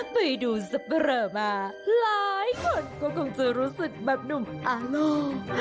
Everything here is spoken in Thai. ไปดูสับปะเรอมาหลายคนก็คงจะรู้สึกแบบหนุ่มอานุ่ม